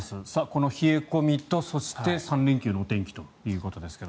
この冷え込みとそして３連休のお天気ということですが。